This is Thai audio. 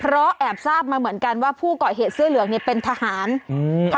เพราะแอบทราบมาเหมือนกันว่าผู้ก่อเหตุเสื้อเหลืองเนี่ยเป็นทหารอืม